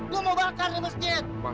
gue mau bakar di masjid